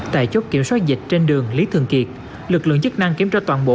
tại chốt kiểm soát dịch trên đường lý thường kiệt lực lượng chức năng kiểm tra toàn bộ